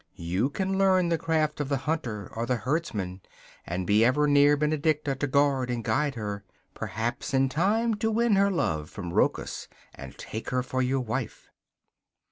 You can learn the craft of the hunter or the herdsman, and be ever near Benedicta to guard and guide her perhaps in time to win her love from Rochus and take her for your wife.